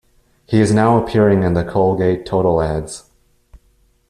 He is now appearing in the Colgate Total ads.